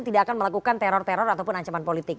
tidak akan melakukan teror teror ataupun ancaman politik